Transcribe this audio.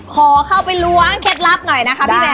ขอเข้าไปล้วงเคล็ดลับหน่อยนะคะพี่แมน